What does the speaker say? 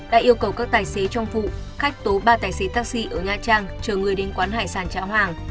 đã yêu cầu các tài xế trong vụ khách tố ba tài xế taxi ở nha trang trở người đến quán hải sản cháo hàng